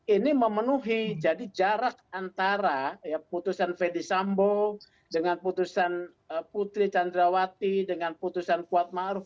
ini memenuhi jadi jarak antara putusan ferdis sambo dengan putusan putri candrawati dengan putusan kuatmaruf